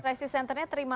krisis centernya terima